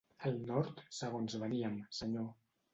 Al Nord segons veníem, senyor.